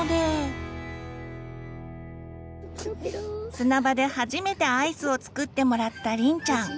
砂場で初めてアイスを作ってもらったりんちゃん。